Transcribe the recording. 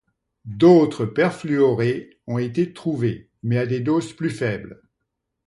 D'autres perfluorés ont été trouvés, mais à des doses plus faibles.